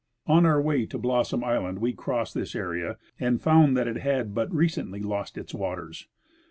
On our way to Blossom island we crossed this area and found that it had but recently lost its waters.